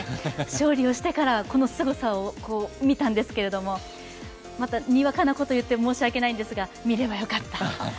勝利をしてから、このすごさを見たんですけれども、また、にわかなこと言って申し訳ないんですが見ればよかった。